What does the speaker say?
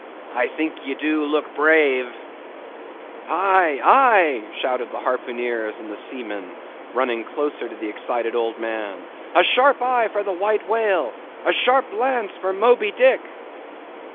I think ye do look brave." "Aye, aye!" shouted the harpooneers and seamen, running closer to the excited old man: "A sharp eye for the white whale; a sharp lance for Moby Dick!"